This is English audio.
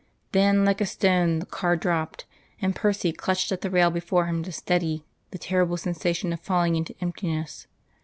Then like a stone the car dropped, and Percy clutched at the rail before him to steady the terrible sensation of falling into emptiness.